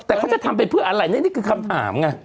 แต่เขาจะทำไปเพื่ออะไรนี่คือคำถามไง